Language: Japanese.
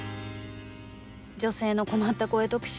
「女性の困った声特集」